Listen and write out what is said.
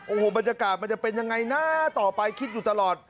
โอ้โหบรรยากาศมันจะเป็นยังไงนะต่อไปคิดอยู่ตลอด